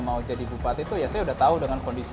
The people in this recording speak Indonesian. mau jadi bupati itu ya saya udah tahu dengan kondisi